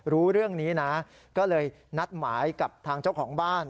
รู้เรื่องนี้นะก็เลยนัดหมายกับทางเจ้าของบ้าน